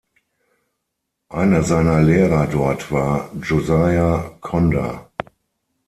Einer seiner Lehrer dort war Josiah Conder.